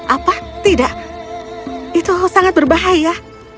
apa tidak itu sangat berbahaya